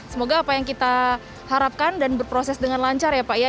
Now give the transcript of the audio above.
semoga apa yang kita harapkan dan berproses dengan lancar ya pak ya